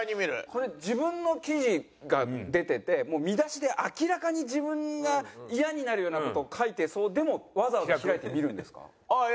これ自分の記事が出ててもう見出しで明らかに自分がイヤになるような事を書いてそうでもわざわざ開いて見るんですか？